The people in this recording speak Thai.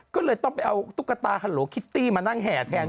ก็เลยต้องไปเอาตุ๊กตาฮัลโหลคิตตี้มานั่งแห่แทน